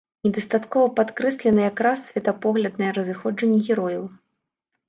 Недастаткова падкрэслена якраз светапогляднае разыходжанне герояў.